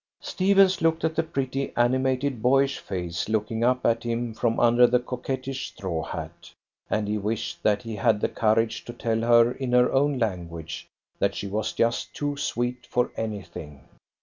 Stephens looked at the pretty, animated, boyish face looking up at him from under the coquettish straw hat, and he wished that he had the courage to tell her in her own language that she was just too sweet for anything.